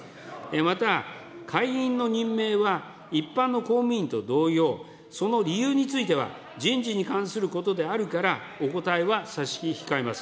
また、会員の任命は一般の公務員と同様、その理由については、人事に関することであるから、お答えは差し控えます。